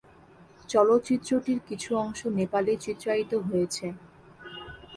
চলচ্চিত্রটির কিছু অংশ নেপালে চিত্রায়িত হয়েছে।